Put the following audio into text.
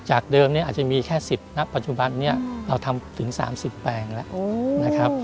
จากเดิมอาจจะมีแค่๑๐ปัจจุบัติเราทำถึง๓๐แปลงแล้ว